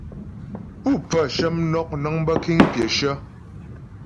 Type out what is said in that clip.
Pú pfaə shə mnɔk nəŋ bə́ kéŋ pyəshə.